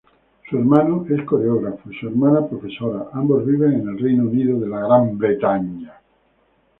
Su hermano es coreógrafo y su hermana profesora, ambos viven en el Reino Unido.